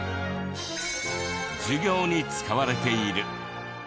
授業に使われている。